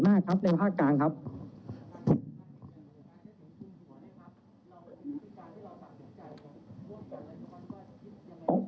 เรามีการปิดบันทึกจับกลุ่มเขาหรือหลังเกิดเหตุแล้วเนี่ย